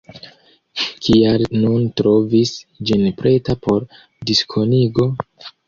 Kial vi nun trovis ĝin preta por diskonigo?